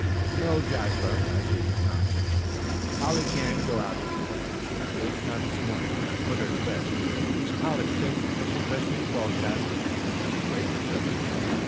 No, Jasper," as he knocked at the door, "Polly can't go out to day, at least not this morning. I've put her to bed." "Is Polly sick, Mrs. Fisher?" called Jasper, in great concern.